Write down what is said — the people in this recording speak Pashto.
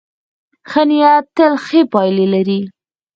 ښه نیت تل ښې پایلې لري.